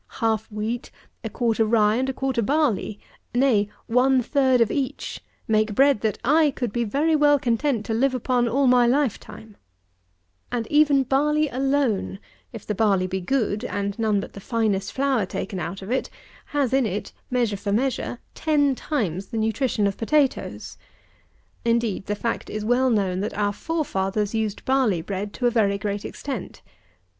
Half wheat, a quarter rye and a quarter barley, nay, one third of each, make bread that I could be very well content to live upon all my lifetime; and, even barley alone, if the barley be good, and none but the finest flour taken out of it, has in it, measure for measure, ten times the nutrition of potatoes. Indeed the fact is well known, that our forefathers used barley bread to a very great extent.